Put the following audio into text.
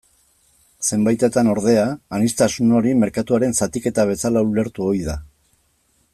Zenbaitetan, ordea, aniztasun hori merkatuaren zatiketa bezala ulertu ohi da.